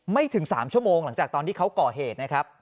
ไม่ถึง๓ชั่วโมงหลังจากตอนที่เขาก่อเหตุนะครับ